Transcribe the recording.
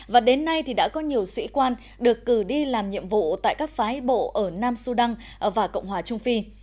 và đến nay đã có nhiều sĩ quan được cử đi làm nhiệm vụ tại các phái bộ ở nam su đăng và cộng hòa trung phi